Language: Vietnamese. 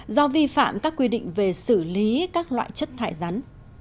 do vi phạm các quy định về xử lý các loại chất thải rắn